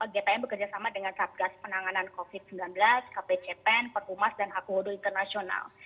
gpm bekerja sama dengan satgas penanganan covid sembilan belas kpcpen perpumas dan akuhodo internasional